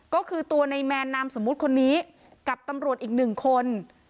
ก็คือตัวในแมนนามสมมุติคนนี้กับตำรวจอีกหนึ่งคน